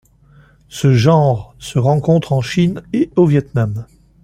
Ce genre se rencontre en Chine et au Vietnam.